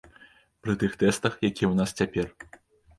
Пры тых тэстах, якія ў нас цяпер.